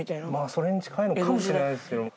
それに近いのかもしれないですけども。